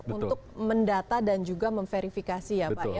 untuk mendata dan juga memverifikasi